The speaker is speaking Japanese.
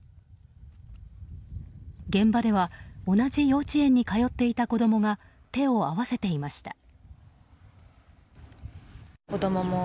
現場では同じ幼稚園に通っていた子供が手を合わせていました。